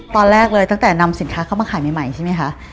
ตอนแรกเลยตั้งแต่นำสินค้าเข้ามาขายใหม่ใช่ไหมคะ